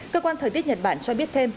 cơ quan thời tiết nhật bản cho biết thêm